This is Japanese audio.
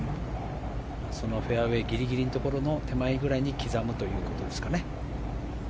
そのフェアウェーギリギリくらいの手前くらいに刻むということですかね。